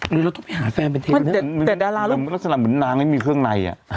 หรือเราต้องไปหาแฟนเป็นทีมลักษณะเหมือนนางไม่มีเครื่องในอ่ะ